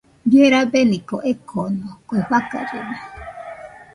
Bie rabeniko ekoko, kue fakallena